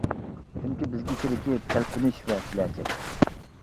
چۈنكى بىزگە كېرىكى، تەلپۈنۈش ۋە كېلەچەك.